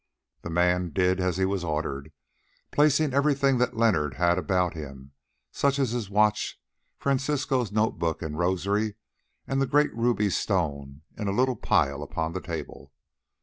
The man did as he was ordered, placing everything that Leonard had about him, such as his watch, Francisco's notebook and rosary, and the great ruby stone, in a little pile upon the table.